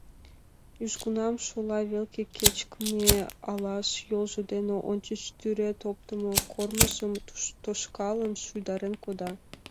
Южгунам шола велке кычкыме алаша йолжо дене ончыч тӱред оптымо кормыжым, тошкалын, шуйдарен кода.